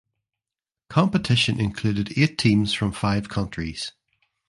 Competition included eight teams from five countries.